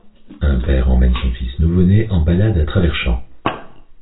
Un père emmène son fils nouveau-né en balade à travers champs.